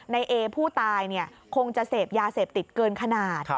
ในเอผู้ตายคงจะเสพยาเสพติดเกินขนาด